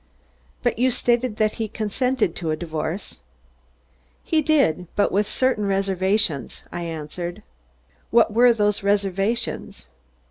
"But you stated that he consented to a divorce?" "He did, but with certain reservations," I answered. "What were those reservations?"